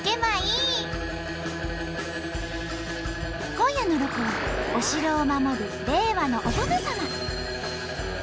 今夜のロコはお城を守る令和のお殿様。